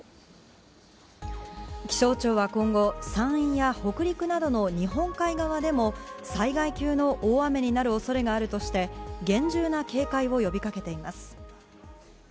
気象庁は今後山陰や北陸などの日本海側でも災害級の大雨になる恐れがあるとして厳重な警戒を呼びかけています。